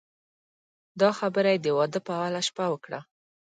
دا خبره یې د واده په اوله شپه وکړه.